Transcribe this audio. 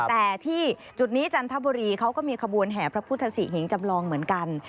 แต่ที่จุดนี้จันทบุรีเขาก็มีขบวนแห่พระพุทธศรีหิงจำลองเหมือนกัน